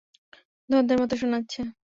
দ্বন্ধের মতো শোনাচ্ছে।